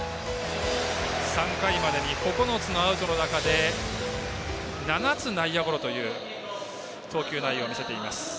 ３回までに９つのアウトの中で７つ、内野ゴロという投球内容を見せています。